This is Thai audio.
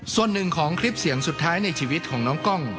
ส่วนหนึ่งของคลิปเสียงสุดท้ายในชีวิตของน้องกล้อง